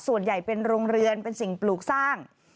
ส่วนใหญ่เป็นโรงเรือนเป็นสิ่งปลูกสร้าง